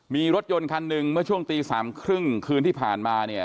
มีรถยนต์คันหนึ่งเมื่อช่วง๓นาทีคืนที่ผ่านมา